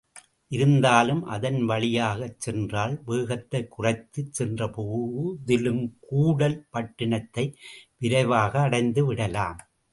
இருந்தாலும், அதன் வழியாகச் சென்றால், வேகத்தைக் குறைத்துச் சென்ற போதிலும் கூடல் பட்டணத்தை விரைவாக அடைந்துவிடலாம்.